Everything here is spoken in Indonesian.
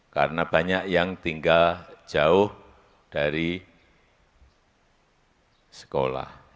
karena banyak yang tinggal jauh dari sekolah